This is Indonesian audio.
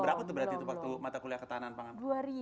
berapa tuh berarti tuh waktu mata kuliah ketahanan pangan